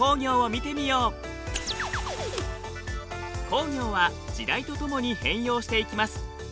工業は時代とともに変容していきます。